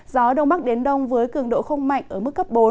gió đông bắc đến đông với cường độ không mạnh ở mức cấp bốn